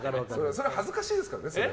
それは恥ずかしいですからね。